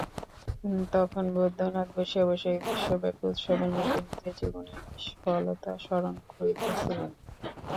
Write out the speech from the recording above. তখন বৈদ্যনাথ বসিয়া বসিয়া এই বিশ্বব্যাপী উৎসবের মধ্যে নিজের জীবনের নিষ্ফলতা স্মরণ করিতেছিলেন।